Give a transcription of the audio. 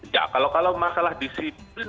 ya kalau masalah disiplin australia sangat disiplin